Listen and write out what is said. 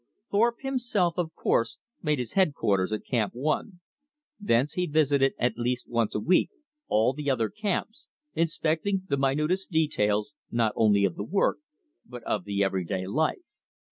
Thorpe himself, of course, made his headquarters at Camp One. Thence he visited at least once a week all the other camps, inspecting the minutest details, not only of the work, but of the everyday life.